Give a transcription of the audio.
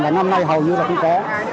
và năm nay hầu như là cũng có